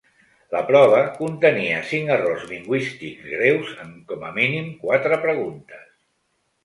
La prova contenia cinc errors lingüístics greus en, com a mínim, quatre preguntes.